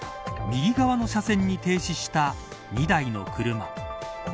右側の車線に停止した２台の車。